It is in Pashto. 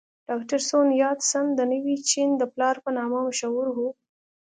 ډاکټر سون یات سن د نوي چین د پلار په نامه مشهور و.